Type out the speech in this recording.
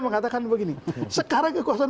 mengatakan begini sekarang kekuasaan